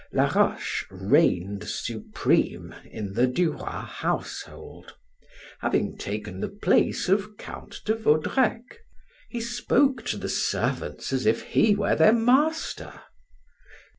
Laroche reigned supreme in the Du Roy household, having taken the place of Count de Vaudrec; he spoke to the servants as if he were their master.